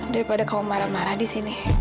daripada kamu marah marah disini